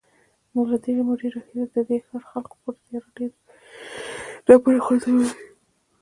نو له ډېرې مودې راهیسې د دې ښار خلکو پر دې زیارت ډبرې غورځولې.